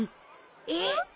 えっ？